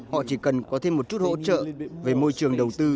họ chỉ cần có thêm một chút hỗ trợ về môi trường đầu tư